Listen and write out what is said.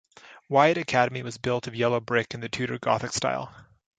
Wyatt's Academy was built of yellow brick in the Tudor Gothic style.